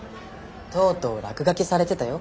とうとう落書きされてたよ